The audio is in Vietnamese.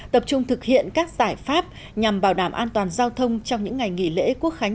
tập trung thực hiện các giải pháp nhằm bảo đảm an toàn giao thông trong những ngày nghỉ lễ quốc khánh